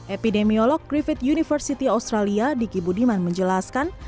epidemiolog griffith university australia diki budiman menjelaskan